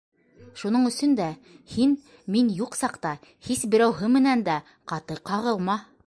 Шуның өсөн дә һин мин юҡ саҡта һис берәүһе менән дә ҡаты ҡағылма.